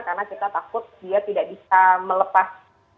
karena kita takut dia tidak bisa melepas